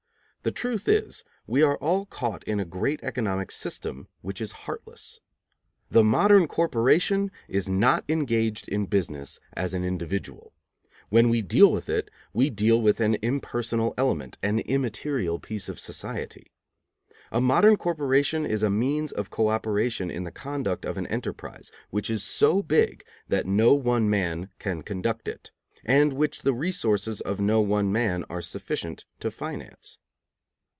The truth is, we are all caught in a great economic system which is heartless. The modern corporation is not engaged in business as an individual. When we deal with it, we deal with an impersonal element, an immaterial piece of society. A modern corporation is a means of co operation in the conduct of an enterprise which is so big that no one man can conduct it, and which the resources of no one man are sufficient to finance.